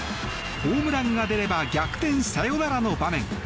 ホームランが出れば逆転サヨナラの場面。